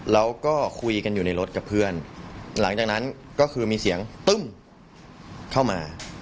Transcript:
แล้วก็คุยกันอยู่ในรถกับเพื่อนหลังจากนั้นก็คือมีเสียงตึ้มเข้ามา